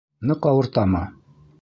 Ныҡ ауыртамы?